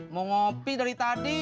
mau ngopi dari tadi